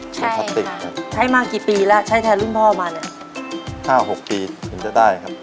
ใช่ค่ะใช้มากี่ปีแล้วใช้แทนรุ่นพ่อมาเนี้ยห้าหกปีก็จะได้ครับ